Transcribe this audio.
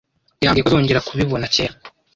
Yambwiye ko azongera kubibona kera.